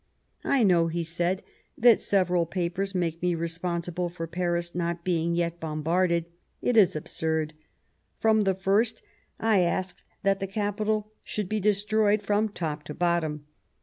" I know," he said, " that several papers make me responsible for Paris not being yet bombarded. It is absurd. ... From the first I asked that the capital should be destroyed from top to bottom.